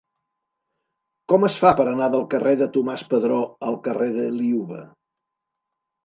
Com es fa per anar del carrer de Tomàs Padró al carrer de Liuva?